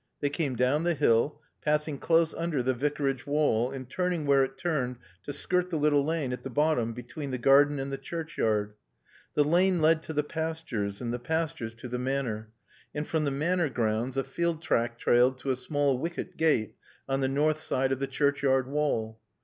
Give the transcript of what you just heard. They came down the hill, passing close under the Vicarage wall and turning where it turned to skirt the little lane at the bottom between the garden and the churchyard. The lane led to the pastures, and the pastures to the Manor. And from the Manor grounds a field track trailed to a small wicket gate on the north side of the churchyard wall.